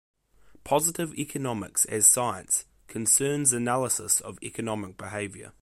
Positive economics as science, concerns analysis of economic behavior.